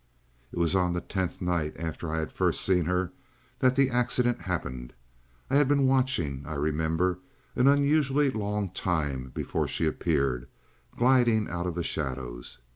"It was on the tenth night after I had first seen her that the accident happened. I had been watching, I remember, an unusually long time before she appeared, gliding out of the shadows.